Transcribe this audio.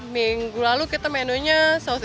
minggu lalu kita menunya saus